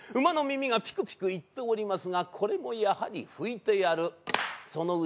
馬の耳がピクピクいっておりますがこれもやはり拭いてやる。